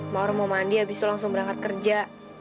mawar mau mandi abis itu langsung berangkat kerja